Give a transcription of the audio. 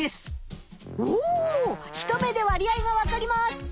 おお一目で割合がわかります！